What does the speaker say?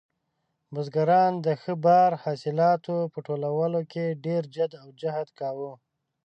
بزګران د ښه بار حاصلاتو په ټولولو کې ډېر جد او جهد کاوه.